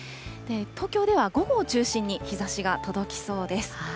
東京では午後を中心に日ざしが届きそうです。